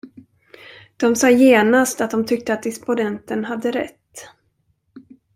De sade genast att de tyckte att disponenten hade rätt.